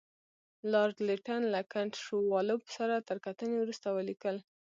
لارډ لیټن له کنټ شووالوف سره تر کتنې وروسته ولیکل.